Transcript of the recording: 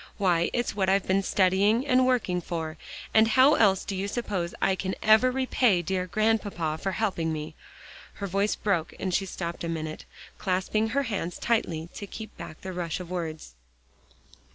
Why, it's what I've been studying and working for, and how else do you suppose I can ever repay dear Grandpapa for helping me?" Her voice broke, and she stopped a minute, clasping her hands tightly to keep back the rush of words.